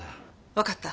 わかった。